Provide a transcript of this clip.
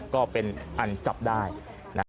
ก็เป็นอันจับได้นะฮะ